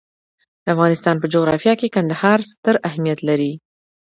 د افغانستان په جغرافیه کې کندهار ستر اهمیت لري.